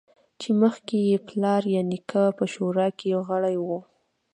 چې مخکې یې پلار یا نیکه په شورا کې غړی و